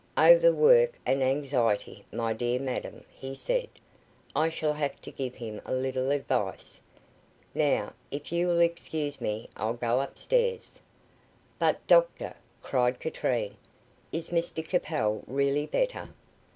"Over work and anxiety, my dear madam," he said. "I shall have to give him a little advice. Now, if you will excuse me, I'll go up stairs." "But doctor," cried Katrine; "is Mr Capel really better?"